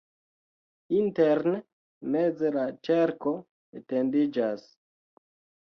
Interne meze la ĉerko etendiĝas.